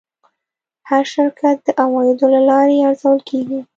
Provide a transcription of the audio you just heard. هر شرکت د عوایدو له لارې ارزول کېږي.